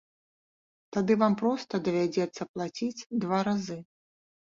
Тады вам проста давядзецца плаціць два разы.